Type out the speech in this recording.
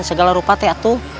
segala rupanya atuh